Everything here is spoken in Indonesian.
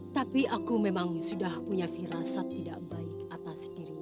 tapi aku memang sudah punya firasat tidak baik atas diri